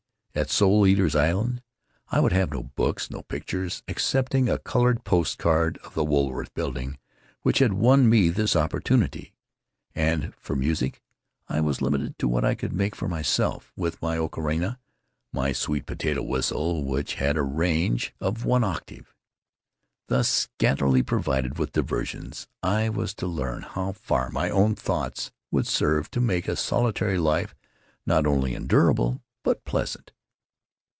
At Soul Eaters' Island I would have no books, no pictures, excepting a colored post card of the Woolworth Building which had won me this opportunity; and for music I was limited to what I could make for myself with my ocharina, my sweet potato whistle which had a range of one octave. Thus scantly provided with diversions, I was to learn how far my own thoughts would serve to make a solitary life not only endurable, but pleasant."